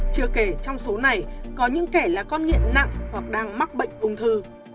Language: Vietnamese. chưa kể trong số này có những kẻ là con nghiện nặng hoặc đang mắc bệnh ung thư